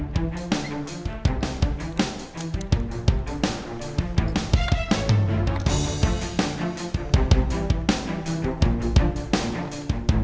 terima kasih mak